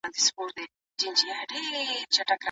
هلک غواړي چې له انا نه جلا نشي.